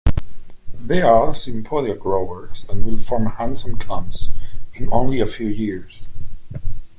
They are sympodial growers and will form handsome clumps in only a few years.